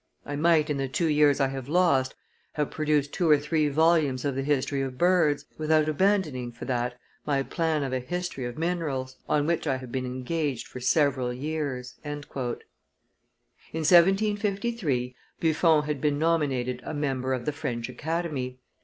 I might, in the two years I have lost, have produced two or three volumes of the history of birds, without abandoning for that my plan of a history of minerals, on which I have been engaged for several years." In 1753 Buffon had been nominated a member of the French Academy.